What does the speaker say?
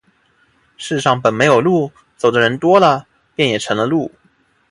世上本没有路，走的人多了，也便成了路。